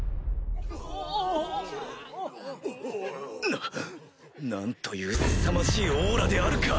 な何というすさまじいオーラであるか！